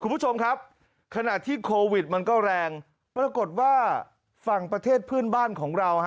คุณผู้ชมครับขณะที่โควิดมันก็แรงปรากฏว่าฝั่งประเทศเพื่อนบ้านของเรา